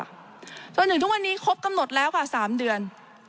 สวัสดีถึงทวันนี้คงครบกำหนดแล้ว๓เดือน